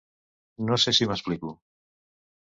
No sé si m’explico…